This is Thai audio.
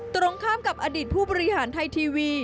ตรงข้ามกับอดีตผู้บริหารไทยทีวี